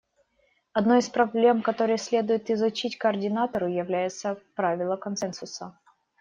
Одной из проблем, которую следует изучить координатору, является правило консенсуса.